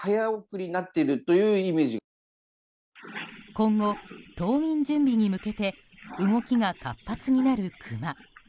今後、冬眠準備に向けて動きが活発になるクマ。